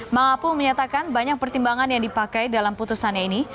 mahapul menyatakan banyak pertimbangan yang dipakai dalam putusannya ini